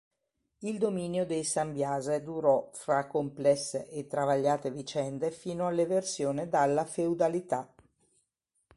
Il dominio dei Sambiase durò, fra complesse e travagliate vicende fino all’eversione dalla feudalità.